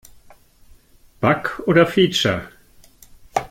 Bug oder Feature?